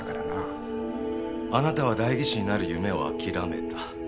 あなたは代議士になる夢を諦めた。